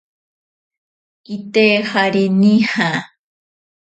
Kitejari nija.